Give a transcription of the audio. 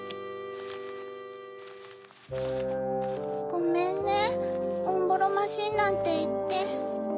ごめんねオンボロマシンなんていって。